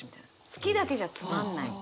「好き」だけじゃつまんない。